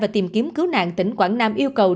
và tìm kiếm cứu nạn tỉnh quảng nam yêu cầu